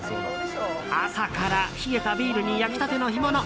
朝から冷えたビールに焼きたての干物。